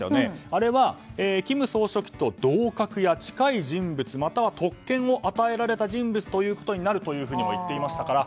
あれは、金総書記と同格や近い人物または特権を与えられた人物ということになるとも言っていましたから。